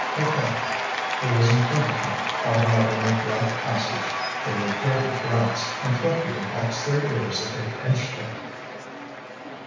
Mouquette, who was in front of them, called out in the black passage they were dirty brats, and threatened to box their ears if they pinched her.